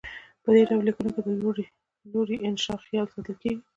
په دې ډول لیکنو کې د لوړې انشاء خیال ساتل کیږي.